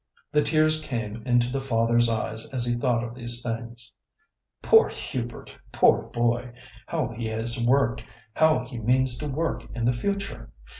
The tears came into the father's eyes as he thought of these things. "Poor Hubert! poor boy! How he has worked; how he means to work in the future!